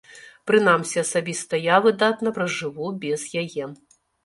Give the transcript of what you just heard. Прынамсі, асабіста я выдатна пражыву без яе.